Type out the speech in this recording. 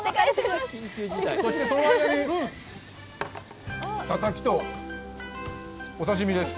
そして、その間に、たたきとお刺身です。